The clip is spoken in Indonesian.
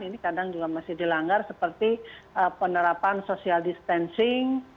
ini kadang juga masih dilanggar seperti penerapan social distancing